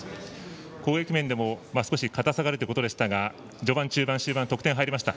攻撃面でも少しかたさがあるということでしたが序盤、中盤、終盤得点が入りました。